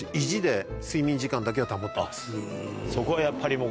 そこはやっぱりもう。